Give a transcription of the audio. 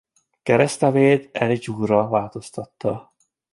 Keresztnevét Eliyahu-ra változtatta.